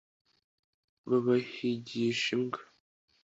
babahigisha imbwa